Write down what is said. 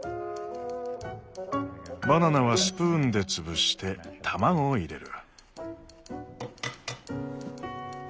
バナナはスプーンで潰して卵を入れる。